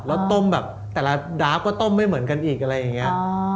แล้วต้มแบบแต่ละดาบก็ต้มไม่เหมือนกันอีกอะไรอย่างนี้